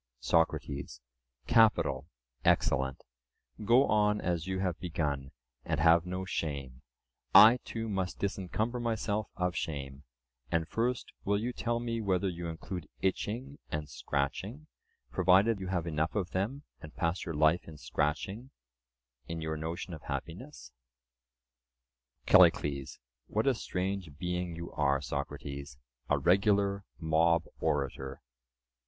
SOCRATES: Capital, excellent; go on as you have begun, and have no shame; I, too, must disencumber myself of shame: and first, will you tell me whether you include itching and scratching, provided you have enough of them and pass your life in scratching, in your notion of happiness? CALLICLES: What a strange being you are, Socrates! a regular mob orator.